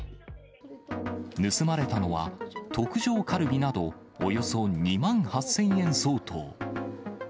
盗まれたのは、特上カルビなど、およそ２万８０００円相当。